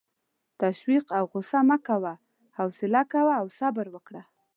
تشویش او غصه مه کوه، حوصله کوه او صبر وکړه.